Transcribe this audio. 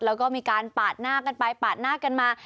แล้วก็มีการปาดหน้ากันไปปาดหน้ากันมา